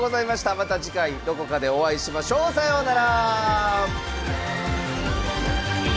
また次回どこかでお会いしましょう。さようなら。